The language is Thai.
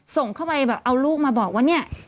ส่งเข้าไปแบบเอาลูกมาบอกว่าเนี่ย